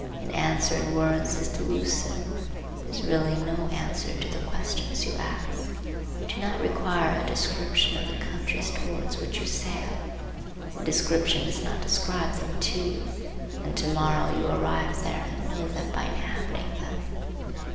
An answer in words is delusive; it is really no answer to the questions you ask. Do not require a description of the countries towards which you sail. The description does not describe them to you, and to morrow you arrive there and know them by inhabiting them.